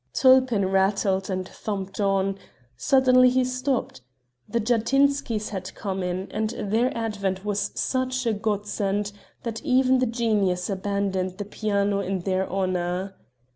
Tulpin rattled and thumped on; suddenly he stopped the Jatinskys had come in, and their advent was such a godsend that even the genius abandoned the piano in their honor.